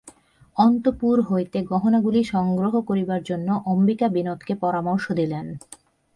অন্তঃপুরে হইতে গহনাগুলি সংগ্রহ করিবার জন্য অম্বিকা বিনোদকে পরামর্শ দিলেন।